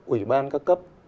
ủy ban các cấp